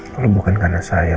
kalau bukan karena saya